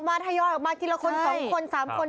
มาทะย้อนมากกี่ละคนสำค้นสามคน